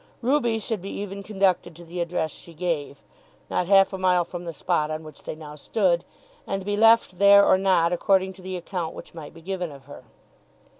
Ruby should be even conducted to the address she gave, not half a mile from the spot on which they now stood, and be left there or not according to the account which might be given of her.